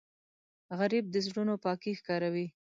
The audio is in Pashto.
غریب د زړونو پاکی ښکاروي